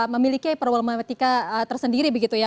memiliki problematika tersendiri begitu ya